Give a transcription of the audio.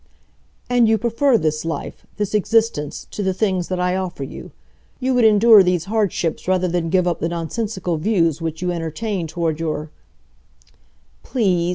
"And you prefer this life this existence, to the things that I offer you! You would endure these hardships rather than give up the nonsensical views which you entertain toward your " "Please.